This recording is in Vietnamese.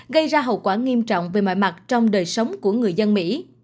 gây ra hậu quả nghiêm trọng về mọi mặt trong đời sống của người dân mỹ